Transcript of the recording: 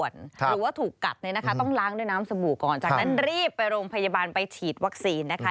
จากนั้นรีบไปโรงพยาบาลไปฉีดวัคซีนนะคะ